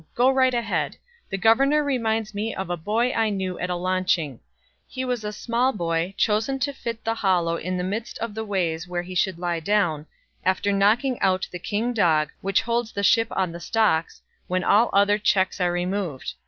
Go right ahead. The governor reminds me of a boy I knew at a launching. He was a small boy, chosen to fit the hollow in the midst of the ways where he should lie down, after knocking out the king dog, which holds the ship on the stocks, when all other checks are removed.